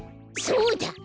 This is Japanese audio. そうだ！